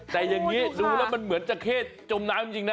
แต่อย่างนี้ดูแล้วมันเหมือนจราเข้จมน้ำจริงนะ